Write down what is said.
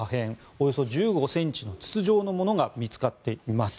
およそ１５ｃｍの筒状のものが見つかっています。